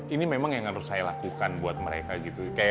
ini memang yang harus saya lakukan buat mereka gitu